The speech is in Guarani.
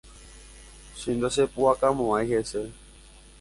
Che ndachepu'akamo'ãi hese.